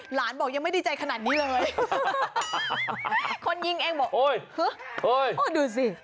บอกยังไม่ดีใจขนาดนี้เลยคนยิงเองบอกโอ้ยโอ้ดูสิ